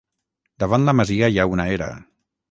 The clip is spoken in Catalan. Davant la masia hi ha una era.